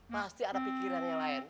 pasti ada pikiran yang lain